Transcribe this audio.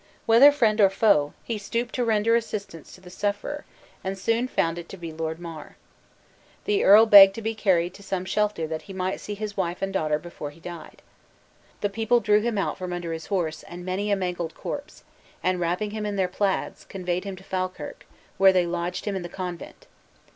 Whether friend or foe, he stooped to render assistance to the sufferer, and soon found it to be Lord Mar. The earl begged to be carried to some shelter that he might see his wife and daughter before he died. The people drew him out from under his horse and many a mangled corpse; and, wrapping him in their plaids, conveyed him to Falkirk, where they lodged him in the convent.